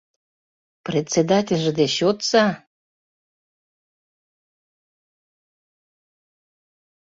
Председательже деч йодса!